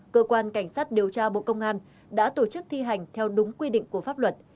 cơ quan cảnh sát điều tra bộ công an đã tổ chức thi hành theo đúng quy định của pháp luật